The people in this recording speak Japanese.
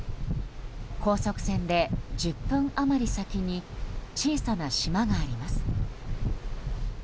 高速船で１０分余り先に小さな島があります。